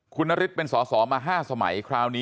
คุณนฤทธิ์เป็นสอเขามา๕สมัย